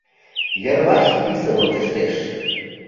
Йырваш писын ончыштеш